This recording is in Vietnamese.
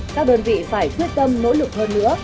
các đơn vị phải quyết tâm nỗ lực hơn nữa